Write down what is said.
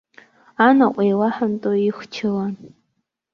Анаҟә еилаҳанто ихчылан.